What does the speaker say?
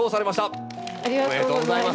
ありがとうございます。